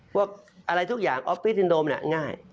พวกอะไรทุกอย่างออฟฟิศดินโดมง่าย